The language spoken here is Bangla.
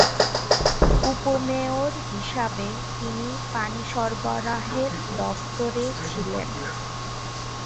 উপ-মেয়র হিসাবে তিনি পানি সরবরাহের দফতরে ছিলেন।